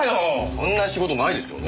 そんな仕事ないですよね。